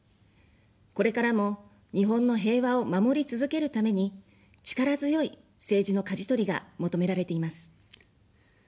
これからも日本の平和を守り続けるために、力強い政治のかじ取りが求められています。